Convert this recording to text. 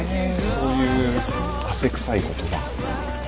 そういう汗くさい言葉。